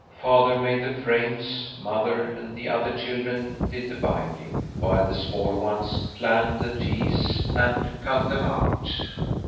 Father made the frames, mother and the older children did the binding, while the smaller ones planed the teeth and cut them out.